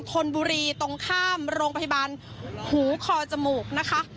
ธนบุรีตรงข้ามโรงพยาบาลหูคอจมูกนะคะ